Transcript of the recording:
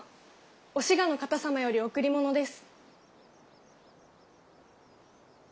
お志賀の方様より贈り物です。